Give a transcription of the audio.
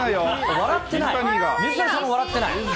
笑ってない、水谷さんも笑ってない。